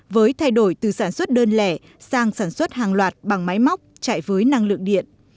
với thay đổi từ sản xuất đơn lẻ sang sản xuất hàng loạt bằng máy móc chạy với năng lượng điện